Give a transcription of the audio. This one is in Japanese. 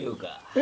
え？